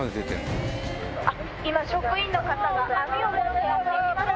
今職員の方が網を持ってやって来ました。